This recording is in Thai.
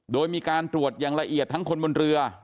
โดยมีการตรวจอย่างละเอียดทั้งคนบนเรือ